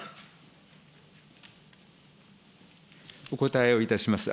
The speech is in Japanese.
お答えをいたします。